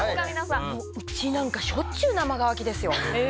うちしょっちゅう生乾きですよ。